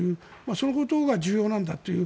そのことが重要なんだという。